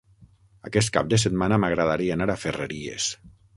Aquest cap de setmana m'agradaria anar a Ferreries.